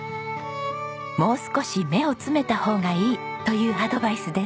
もう少し目を詰めた方がいいというアドバイスです。